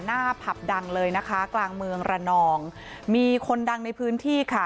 ผับดังเลยนะคะกลางเมืองระนองมีคนดังในพื้นที่ค่ะ